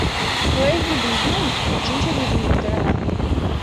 Куэ вӱдым йӱын, шинчавӱдым йоктарена.